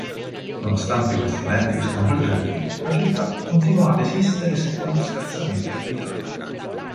Nonostante questi eventi sconvolgenti, la città continuò ad esistere seppur scarsamente abitata.